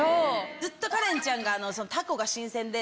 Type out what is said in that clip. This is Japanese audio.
ずっとカレンちゃんがタコが新鮮で。